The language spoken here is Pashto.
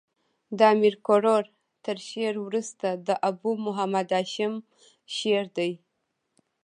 د امیر کروړ تر شعر وروسته د ابو محمد هاشم شعر دﺉ.